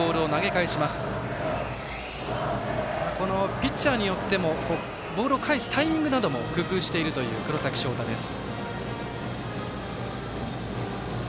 ピッチャーによってもボールを返すタイミングなども工夫しているという黒崎翔太です。